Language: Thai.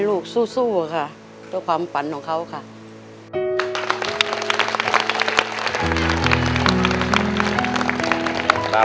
ลูกสู้ค่ะด้วยความฝันของเขาค่ะ